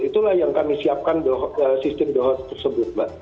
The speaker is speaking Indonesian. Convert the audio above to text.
itulah yang kami siapkan sistem the hots tersebut mbak